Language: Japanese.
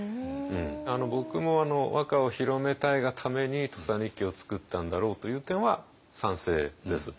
僕も和歌を広めたいがために「土佐日記」を作ったんだろうという点は賛成です。